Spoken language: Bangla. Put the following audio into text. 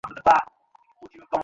এতবড় সাধ্য কাহার যে দিবে না?